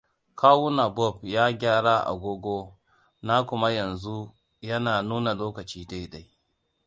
Kawuna Bob ya gyara agogo na kuma yanzu yana nuna lokaci daidai.